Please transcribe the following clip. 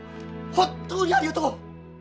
本当にありがとう！